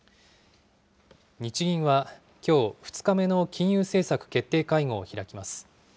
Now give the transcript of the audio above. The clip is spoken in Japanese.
日銀はきょう、２日目の金融政策決定会合を開きます。